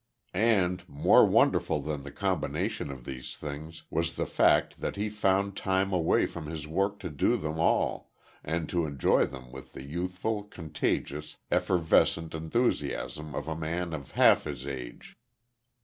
And, more wonderful than the combination of these things was the fact that he found time away from his work to do them all, and to enjoy them with the youthful, contagious, effervescent enthusiasm of a man of half his age.